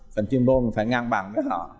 phần chuyên môn mình phải ngăn bằng với họ